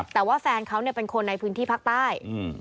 แต่ว่าแฟนเขาเป็นคนในพื้นที่ภาคใต้